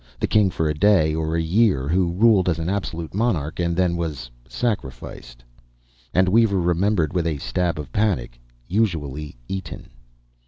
The king for a day or a year, who ruled as an absolute monarch, and then was sacrificed And, Weaver remembered with a stab of panic, usually eaten.